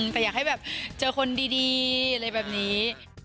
แต่อยากให้แบบเจอคนดีอะไรแบบนี้